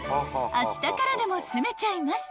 ［あしたからでも住めちゃいます］